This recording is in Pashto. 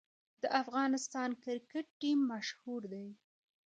د افغانستان کرکټ ټیم مشهور دی